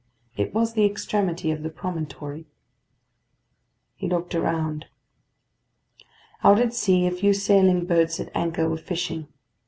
It was the extremity of the promontory. He looked around. Out at sea a few sailing boats at anchor were fishing.